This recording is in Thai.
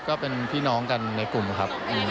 ก็เป็นพี่น้องกันในกลุ่มครับ